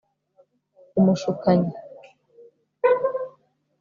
umushukanyi